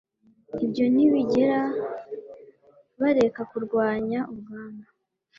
Ibyo ntibigera bareka kurwanya urugamba